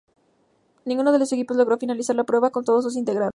Ninguno de los equipos logró finalizar la prueba con todos sus integrantes.